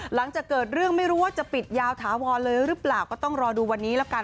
หลังจากเกิดเรื่องไม่รู้ว่าจะปิดยาวถาวรเลยหรือเปล่าก็ต้องรอดูวันนี้แล้วกัน